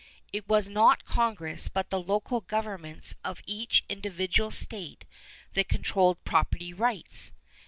It was not Congress but the local governments of each individual state that controlled property rights.